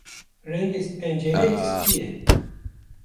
Rengê pencereyê spî ye.